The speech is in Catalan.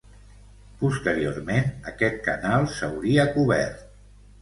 Posteriorment aquest canal s'hauria cobert.